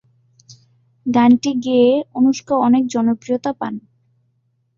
গানটি গেয়ে অনুষ্কা অনেক জনপ্রিয়তা পান।